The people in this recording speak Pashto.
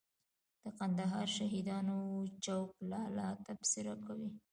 د کندهار شهیدانو چوک لالا تبصره کوي.